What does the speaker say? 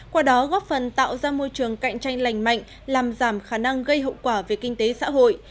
qua đó góp phần tạo ra môi trường cạnh tranh lành mạnh làm giảm khả năng gây hậu quả về kinh tế xã hội